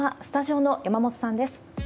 スタジオの山本さんです。